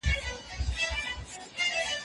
معروف هغه مقدار دی، چي په عرف کي کفايت ورته کوي.